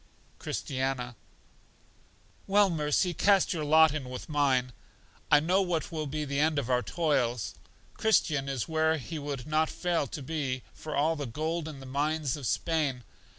Christiana: Well, Mercy, cast your lot in with mine; I know what will be the end of our toils. Christian is where he would not fail to be for all the gold in the mines of Spain.